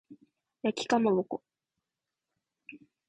焼きかまぼこ